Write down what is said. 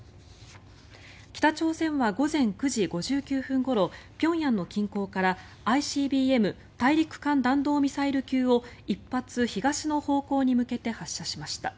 北朝鮮は午前９時５９分ごろ平壌の近郊からＩＣＢＭ・大陸間弾道ミサイル級を１発、東の方向に向けて発射しました。